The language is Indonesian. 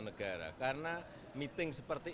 negara karena meeting seperti